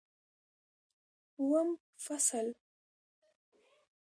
اووم فصل